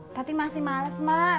tadi masih males mak